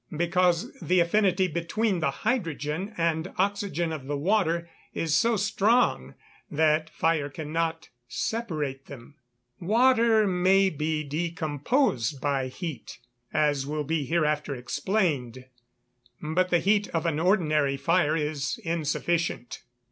_ Because the affinity between the hydrogen and oxygen of the water is so strong that fire cannot separate them. Water may be decomposed by heat, as will be hereafter explained. But the heat of an ordinary fire is insufficient.